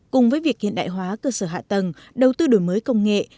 cùng với việc hiện đại hóa cơ sở hạ tầng đầu tư đổi mới công nghệ